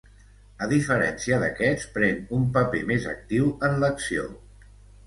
A diferència d'aquests, pren un paper més actiu en l'acció.